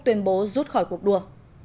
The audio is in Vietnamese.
tuyên bố rút khỏi cuộc đua